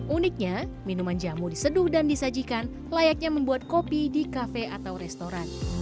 uniknya minuman jamu diseduh dan disajikan layaknya membuat kopi di kafe atau restoran